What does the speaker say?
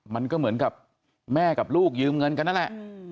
มันก็เหมือนกับแม่กับลูกยืมเงินกันนั่นแหละ